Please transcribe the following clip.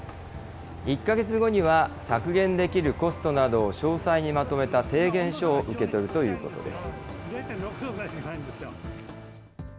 １か月後には、削減できるコストなどを詳細にまとめた提言書を受け取るということです。